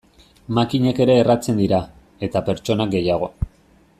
Makinak ere erratzen dira, eta pertsonak gehiago.